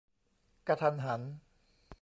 กะทันหัน